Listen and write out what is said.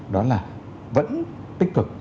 đó là vẫn tích cực